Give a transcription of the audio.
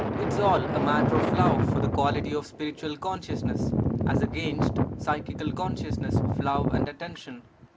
It is all a matter of love for the quality of spiritual consciousness, as against psychical consciousness, of love and attention.